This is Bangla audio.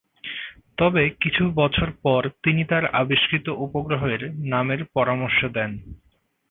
তবে কিছু বছর পর তিনি তার আবিষ্কৃত উপগ্রহের নামের পরামর্শ দেন।